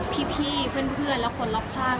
พี่เพื่อนและคนรอบข้าง